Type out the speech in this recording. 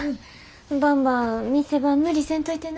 ばんば店番無理せんといてな。